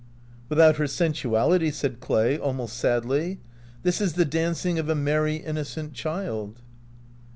"" Without her sensuality," said. Clay, al most sadly. "This is the dancing of a merry, innocent child."